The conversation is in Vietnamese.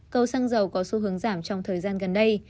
cầu xăng dầu có xu hướng giảm trong thời gian gần đây